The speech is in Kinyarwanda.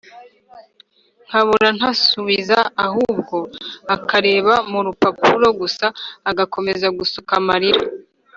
nkabona ntasubiza ahubwo akareba murupapuro gusa agakomeza gusuka marira!